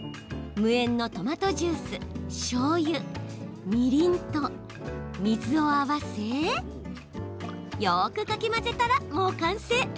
無塩のトマトジュースしょうゆみりんと水を合わせよくかき混ぜたらもう完成。